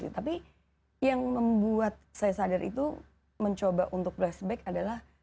tapi yang membuat saya sadar itu mencoba untuk flashback adalah